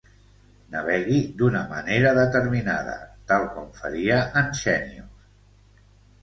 Navegui d'una manera determinada, tal com faria en Xènius.